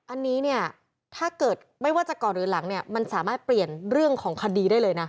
อันนี้เนี่ยถ้าเกิดไม่ว่าจะก่อนหรือหลังเนี่ยมันสามารถเปลี่ยนเรื่องของคดีได้เลยนะ